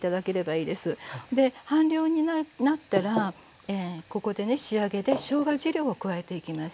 で半量になったらここでね仕上げでしょうが汁を加えていきます。